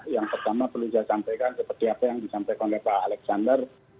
yang pertama perlu saya sampaikan seperti apa yang disampaikan oleh pak alexander